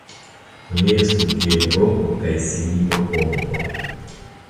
Li estu kiel roko kaj siliko kontraŭ .